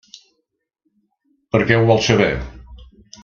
Per què ho vols saber?